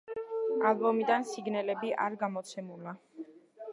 ალბომიდან სინგლები არ გამოცემულა.